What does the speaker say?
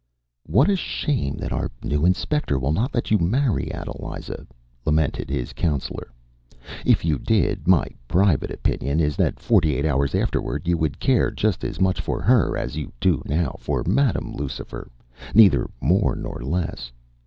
“What a shame that our new inspector will not let you marry Adeliza!” lamented his counsellor. “If you did, my private opinion is that forty eight hours afterwards you would care just as much for her as you do now for Madam Lucifer, neither more nor less.